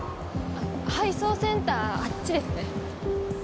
配送センターあっちですね。